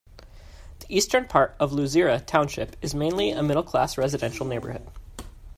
The eastern part of Luzira township is mainly a middle-class residential neighborhood.